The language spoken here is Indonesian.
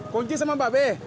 kunci sama mbak be